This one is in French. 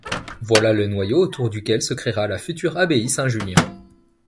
Voilà le noyau autour duquel se créera la future abbaye Saint-Julien.